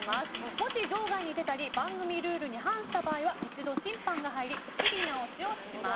もし場外に出たり番組ルールに反した場合は一度、審判が入り仕切り直しをします。